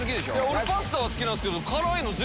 俺パスタは好きなんですけど。